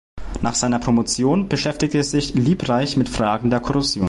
Nach seiner Promotion beschäftigte sich Liebreich mit Fragen der Korrosion.